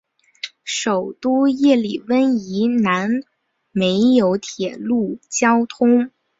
首都叶里温以南没有铁路交通。